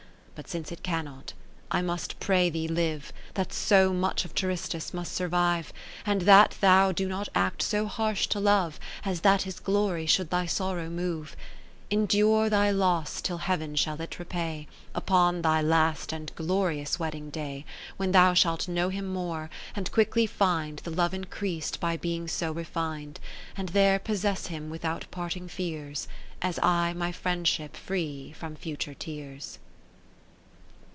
But since it cannot, I must pray thee live. That so much of Charistus may survive, (585) And that thou do not act so harsh to Love, As that his glory should thy sorrow move : Endure thy loss till Heav'n shall it repay. Upon thy last and glorious wedding day, When thou shalt know him more, and quickly find The love increas'd by being so refin'd, 80 And there possess him without parting fears. As I my friendship free from future tears.